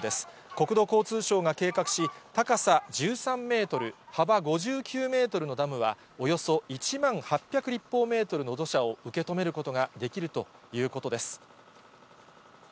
国土交通省が計画し、高さ１３メートル、幅５９メートルのダムは、およそ１万８００立方メートルの土砂を受け止めることができるということです。